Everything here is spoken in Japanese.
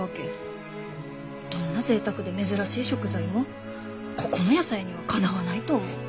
どんなぜいたくで珍しい食材もここの野菜にはかなわないと思う。